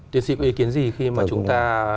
tiến sĩ có ý kiến gì khi mà chúng ta